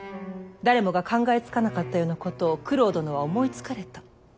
誰もが考えつかなかったようなことを九郎殿は思いつかれた。